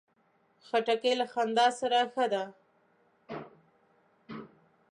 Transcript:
خټکی له خندا سره ښه ده.